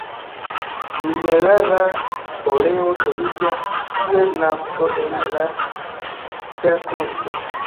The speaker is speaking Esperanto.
Minerala oleo troviĝas kiel nafto en la terkrusto.